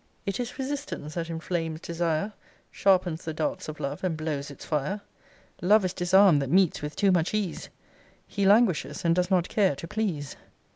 It is resistance that inflames desire, Sharpens the darts of love, and blows its fire. Love is disarm'd that meets with too much ease; He languishes, and does not care to please.